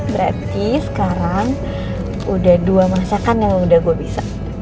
berarti sekarang sudah dua masakan yang sudah gue bisa